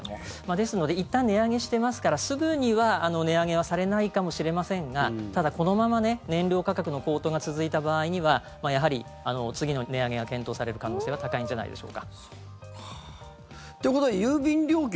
ですのでいったん値上げしてますからすぐには値上げはされないかもしれませんがただ、このまま燃料価格の高騰が続いた場合にはやはり次の値上げが検討される可能性が郵便料金も当然そうですね。